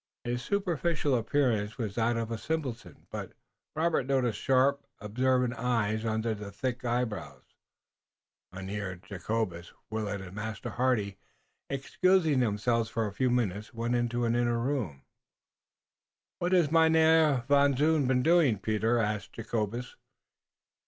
His superficial appearance was that of a simpleton, but Robert noticed sharp, observant eyes under the thick eyebrows. Mynheer Jacobus, Willet and Master Hardy, excusing themselves for a few minutes, went into an inner room. "What has Mynheer Van Zoon been doing, Peter?" asked Jacobus.